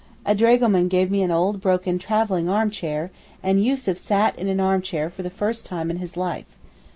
A dragoman gave me an old broken travelling arm chair, and Yussuf sat in an arm chair for the first time in his life.